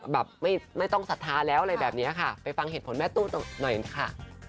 แบบไม่ต้องศรัทธาแล้วอะไรแบบนี้ค่ะไปฟังเหตุผลแม่ตู้หน่อยนะคะ